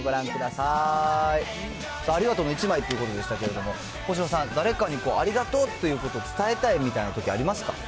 さあ、ありがとうの１枚ということでしたけれども、幸四郎さん、誰かにありがとうってことを伝えたいみたいなとき、ありますか？